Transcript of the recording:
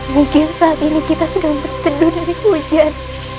mungkin saat ini kita sedang berseduh dari hujan